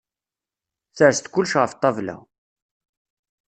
Sers-d kullec ɣef ṭṭabla!